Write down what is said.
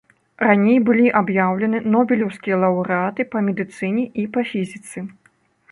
Раней былі аб'яўлены нобелеўскія лаўрэаты па медыцыне і па фізіцы.